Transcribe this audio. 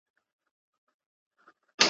حکومت اقتصادي بندیزونه نه مني.